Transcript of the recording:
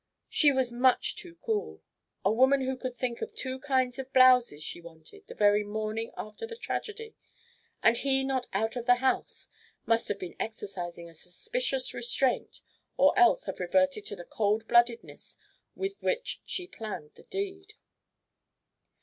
She was much too cool. A woman who could think of two kinds of blouses she wanted the very morning after the tragedy, and he not out of the house, must have been exercising a suspicious restraint or else have reverted to the cold bloodedness with which she planned the deed."